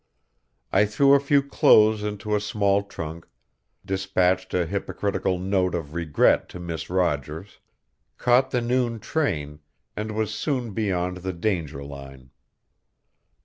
I threw a few clothes into a small trunk, despatched a hypocritical note of regret to Miss Rogers, caught the noon train, and was soon beyond the danger line.